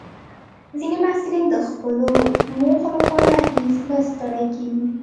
ځینې محصلین د خپلو موخو لپاره هیڅ نه ستړي کېږي.